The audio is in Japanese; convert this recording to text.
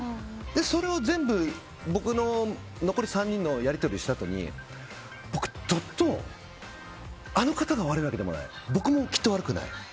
それを全部残り３人のやり取りをしたあとに僕どっと、あの方が悪いわけでもないし僕もきっと悪くない。